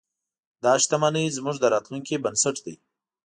دا شتمنۍ زموږ د راتلونکي بنسټ دی.